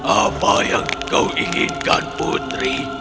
apa yang kau inginkan putri